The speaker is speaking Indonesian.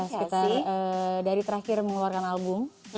sekitar dari terakhir mengeluarkan album